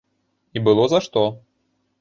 І было за што.